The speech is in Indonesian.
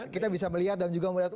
kita bisa melihat dan juga melihat